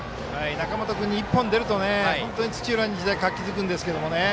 中本君に１本出ると本当に土浦日大活気づくんですけどね。